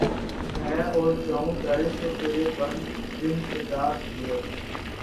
میں اور جاؤں در سے ترے بن صدا کیے